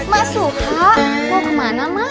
mak suha mau kemana mak